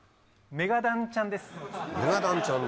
メガダンちゃんなの？